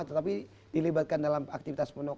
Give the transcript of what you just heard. tetapi dilibatkan dalam aktivitas